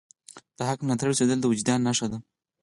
د حق ملاتړی اوسیدل د وجدان نښه ده.